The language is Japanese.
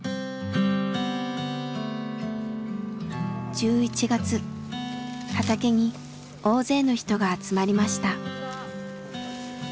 １１月畑に大勢の人が集まりました。